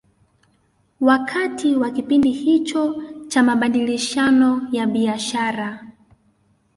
Wakati wa kipindi hicho cha mabadilishano ya biashara